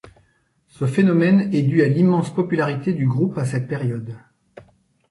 Ce phénomène est dû à l'immense popularité du groupe à cette période.